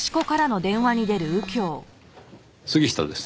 杉下です。